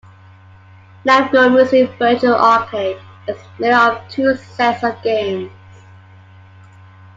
"Namco Museum Virtual Arcade" is made up of two sets of games.